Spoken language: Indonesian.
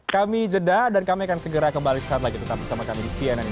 kami jeda dan kami akan segera kembali saat lagi tetap bersama kami di cnn indonesia